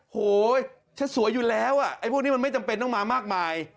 โหฉันสวยอยู่แล้วอ่ะไอ้พวกนี้มันไม่จำเป็นต้องมามากมาย